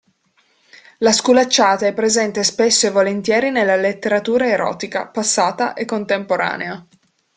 La sculacciata è presente spesso e volentieri nella letteratura erotica, passata e contemporanea.